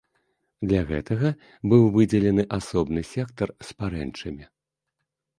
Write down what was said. Для гэтага быў выдзелены асобны сектар з парэнчамі.